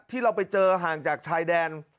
ที่เราไปเจอห่างจากชายแดน